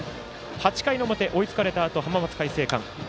８回表、追いつかれたあと浜松開誠館。